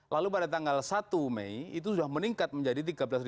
lalu pada tanggal satu mei itu sudah meningkat menjadi tiga belas dua puluh